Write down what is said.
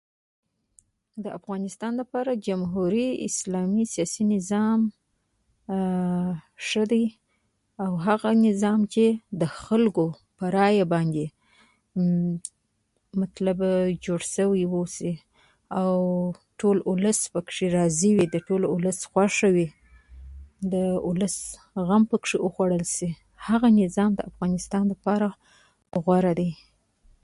د افغانستان لپاره جمهوری اسلامی